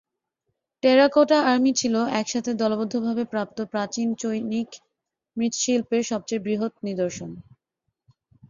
Terracotta army ছিল একসাথে দলবদ্ধভাবে প্রাপ্ত প্রাচীন চৈনিক মৃৎশিল্পের সবচেয়ে বৃহৎ নিদর্শন।